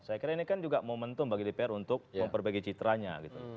saya kira ini kan juga momentum bagi dpr untuk memperbaiki citranya